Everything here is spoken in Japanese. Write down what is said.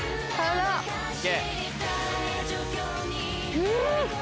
うん！